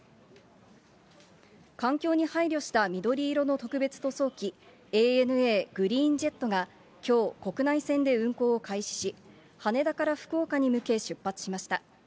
環境に配慮した緑色の特別塗装機、ＡＮＡグリーンジェットときょう国内線で運航を開始し、羽田から福岡に向け出発に対しました。